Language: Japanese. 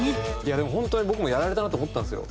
でも本当に僕もやられたなって思ったんですよ。